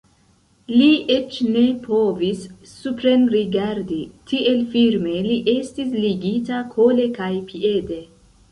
Li eĉ ne povis suprenrigardi, tiel firme li estis ligita kole kaj piede.